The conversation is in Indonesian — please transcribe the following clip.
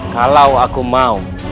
kalau aku mau